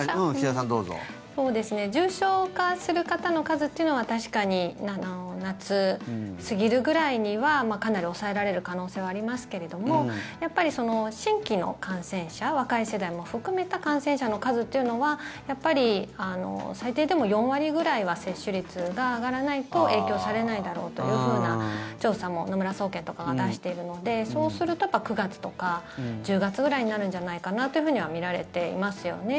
重症化する方の数っていうのは確かに夏過ぎるぐらいにはかなり抑えられる可能性はありますけれどもやっぱり新規の感染者若い世代も含めた感染者の数っていうのは最低でも４割くらいは接種率が上がらないと影響されないだろうというふうな調査も野村総研とかが出しているのでそうすると９月とか１０月ぐらいになるんじゃないかなというふうには見られていますよね。